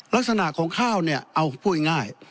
ลักษณะของข้าวเนี่ยเอาพูดง่าย